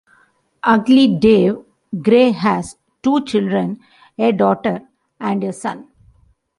Ugly Dave Gray has two children, a daughter and a son.